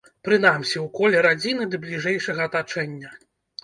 Прынамсі, у коле радзіны ды бліжэйшага атачэння.